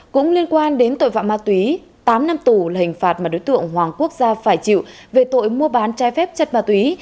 cũng liên quan đến tội phạm ma túy tám năm tù là hình phạt mà đối tượng hoàng quốc gia phải chịu về tội mua bán trái phép chất ma túy